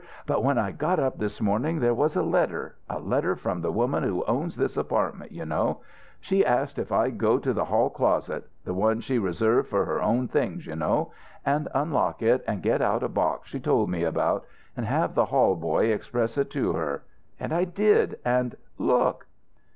But when I got up this morning there was a letter a letter from the woman who owns this apartment, you know. She asked if I'd go to the hall closet the one she reserved for her own things, you know and unlock it, and get out a box she told me about, and have the hall boy express it to her. And I did, and look!"